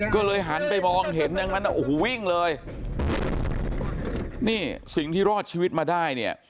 ก็เลยหันไปมองเห็นดังนั้นโอ้โหวิ่งเลยนี่สิ่งที่รอดชีวิตมาได้เนี่ย